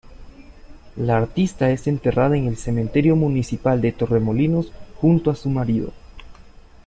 La artista es enterrada en el Cementerio Municipal de Torremolinos, junto a su marido.